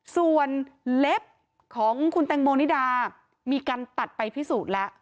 ส่วนเล็บของคุณแตงโมนิดามีการตัดไปพิสูจน์แล้ว